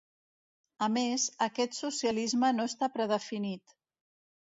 A més, aquest socialisme no està predefinit.